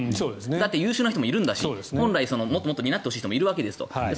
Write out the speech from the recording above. だって優秀な人もいるしもっともっと担ってほしい人もいるんだと。